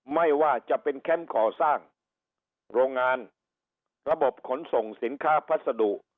ไม่ว่าจะเป็นแคมป์ก่อสร้างโรงงานระบบขนส่งสินค้าพัสดุ